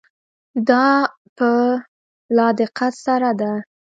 دا په لا دقت سره ده.